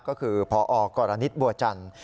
ก็คือพอกรณิตบัวจันทร์